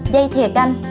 dây thiệt canh